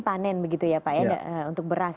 panen begitu ya pak ya untuk beras